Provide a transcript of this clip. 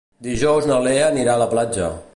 Dijous na Lea anirà a la platja.